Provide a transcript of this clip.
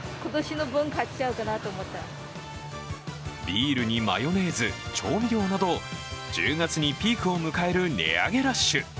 ビールにマヨネーズ、調味料など１０月にピークを迎える値上げラッシュ。